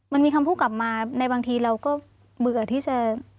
มันมีคำพูดกลับมาในบางทีเราก็เบื่อที่จะ